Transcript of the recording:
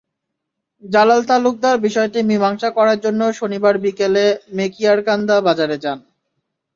জালাল তালুকদার বিষয়টি মীমাংসা করার জন্য শনিবার বিকেলে মেকিয়ারকান্দা বাজারে যান।